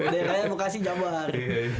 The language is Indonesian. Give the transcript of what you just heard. dekanya bekasi jabar